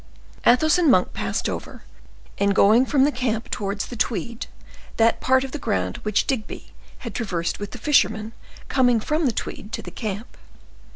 Athos and Monk passed over, in going from the camp towards the Tweed, that part of the ground which Digby had traversed with the fishermen coming from the Tweed to the camp.